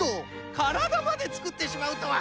からだまでつくってしまうとは！